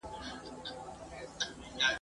احساس سره مخامخ سي